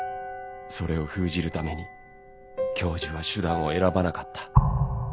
それを封じるために教授は手段を選ばなかった。